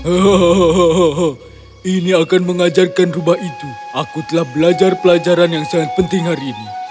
hahaha ini akan mengajarkan rubah itu aku telah belajar pelajaran yang sangat penting hari ini